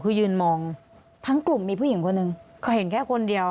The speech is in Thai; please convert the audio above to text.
คือยืนมองทั้งกลุ่มมีผู้หญิงคนหนึ่งเขาเห็นแค่คนเดียว